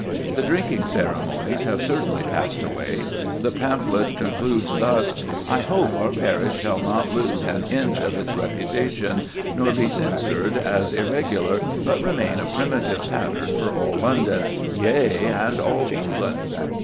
The drinking ceremonies have certainly passed away. The pamphlet concludes thus: "I hope our parish shall not lose an inch of its reputation, nor be censured as irregular, but remain a primitive pattern for all London, yea, and all England."